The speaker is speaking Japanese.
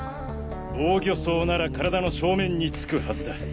防御創なら体の正面につくはずだ。